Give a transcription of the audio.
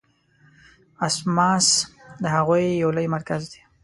اسماس د هغوی یو لوی مرکز دی.